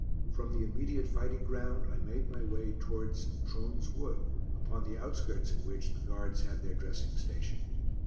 From the immediate fighting ground I made my way towards Trones Wood, upon the outskirts of which the Guards had their dressing station.